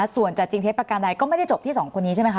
ส่วนจะจริงเท็จประการใดก็ไม่ได้จบที่๒คนนี้ใช่ไหมคะ